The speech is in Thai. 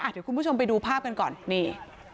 เดี๋ยวคุณผู้ชมไปดูภาพกันก่อนนี่